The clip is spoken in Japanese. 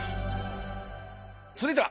続いては。